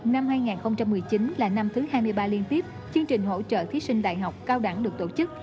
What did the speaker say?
năm hai nghìn một mươi chín là năm thứ hai mươi ba liên tiếp chương trình hỗ trợ thí sinh đại học cao đẳng được tổ chức